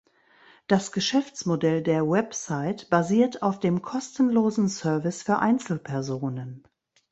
Das Geschäftsmodell der Website basiert auf dem kostenlosen Service für Einzelpersonen.